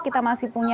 kita masih punya